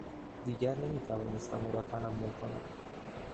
دیگر نمیتوانستم او را تحمل کنم.